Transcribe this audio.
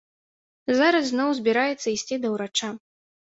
Зараз зноў збіраецца ісці да ўрача.